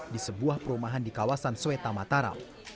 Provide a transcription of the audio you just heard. di sebuah perumahan di kawasan swe tamataram